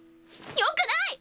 よくない！